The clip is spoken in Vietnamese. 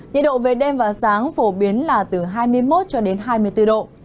nhiệt độ về đêm và sáng phổ biến là từ hai mươi một cho đến hai mươi bốn độ